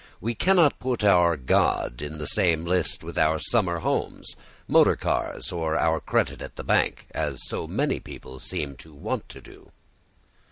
We cannot put our God in the same list with our summer houses, motor cars, or our credit at the bank, as so many people seem to want to do.